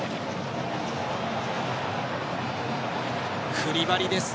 クリバリです。